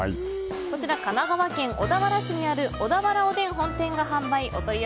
神奈川県小田原市にある小田原おでん本店が販売。